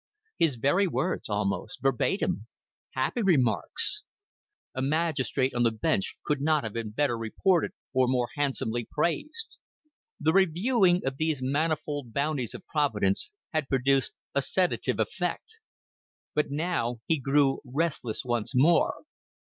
His very words, almost verbatim "Happy remarks!" A magistrate on the bench could not have been better reported or more handsomely praised. The reviewing of these manifold bounties of Providence had produced a sedative effect; but now he grew restless once more.